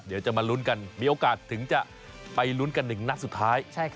เดี๋ยวจะมาลุ้นกันมีโอกาสถึงจะไปลุ้นกันหนึ่งนัดสุดท้าย